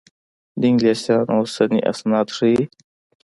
د انګلیسیانو اوسني اسناد ښيي.